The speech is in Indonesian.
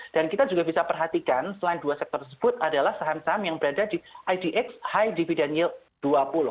dan kita juga bisa perhatikan selain dua sektor tersebut adalah saham saham yang berada di idx high dividend yield dua puluh